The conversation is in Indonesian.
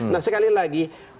nah sekali lagi